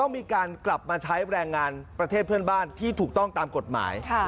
มีการกลับมาใช้แรงงานประเทศเพื่อนบ้านที่ถูกต้องตามกฎหมาย